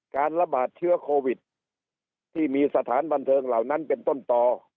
การระบาดเชื้อโควิดที่มีสถานบันเทิงเหล่านั้นเป็นต้นต่อ